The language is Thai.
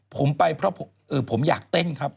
ผมไปเพราะผมอยากเต้นครับ